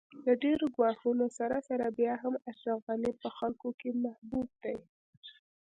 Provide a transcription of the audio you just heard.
د ډېرو ګواښونو سره سره بیا هم اشرف غني په خلکو کې محبوب دی